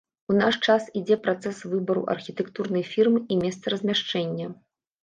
У наш час ідзе працэс выбару архітэктурнай фірмы і месца размяшчэння.